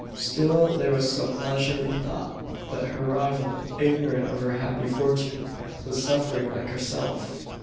Still, there was some pleasure in the thought: that her rival, ignorant of her happy fortune, was suffering like herself.